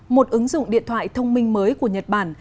một ứng dụng điện thoại thông minh mới của nhật bản